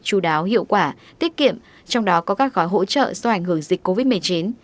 chú đáo hiệu quả tiết kiệm trong đó có các gói hỗ trợ do ảnh hưởng dịch covid một mươi chín